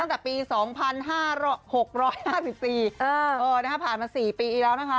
ตั้งแต่ปี๒๕๖๕๔ผ่านมา๔ปีแล้วนะคะ